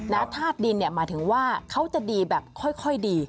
ธาตุดินเนี่ยหมายถึงว่าเขาจะดีแบบค่อยดี